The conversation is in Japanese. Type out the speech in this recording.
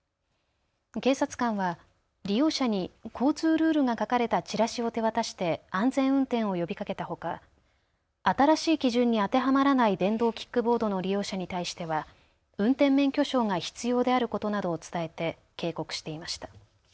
警察官は利用者に交通ルールが書かれたチラシを手渡して安全運転を呼びかけたほか新しい基準に当てはまらない電動キックボードの利用者に対しては運転免許証が必要であることなどを伝えて警告していました。